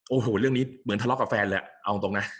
โอ้โหเรื่องนี้เหมือนทะเลาะกับแฟนเลยเอาตรงนะ